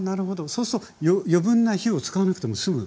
そうすると余分な火を使わなくても済む。